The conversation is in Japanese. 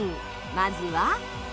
まずは。